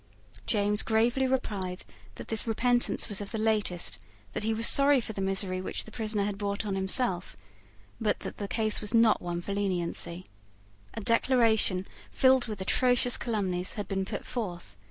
James gravely replied that this repentance was of the latest, that he was sorry for the misery which the prisoner had brought on himself, but that the case was not one for lenity. A Declaration, filled with atrocious calumnies, had been put forth.